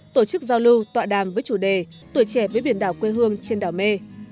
tổ chức giao lưu tọa đàm với chủ đề tuổi trẻ với biển đảo quê hương trên đảo mê